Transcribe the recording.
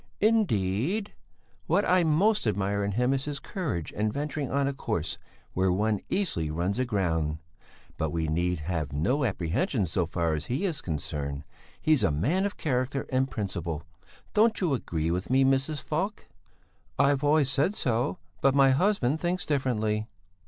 "Indeed? What I most admire in him is his courage in venturing on a course where one easily runs aground; but we need have no apprehensions so far as he is concerned; he's a man of character and principle. Don't you agree with me, Mrs. Falk?" "I've always said so, but my husband thinks differently."